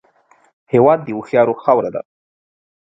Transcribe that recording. هېواد د هوښیارو خاوره ده